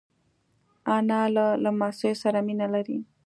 انا له لمسیو سره مینه لري